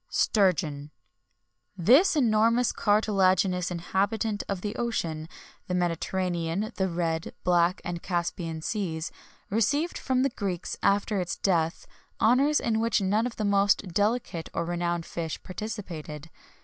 [XXI 30] STURGEON. This enormous cartilaginous inhabitant of the ocean, the Mediterranean, the Red, Black, and Caspian Seas, received from the Greeks, after its death, honours in which none of the most delicate or renowned fish participated.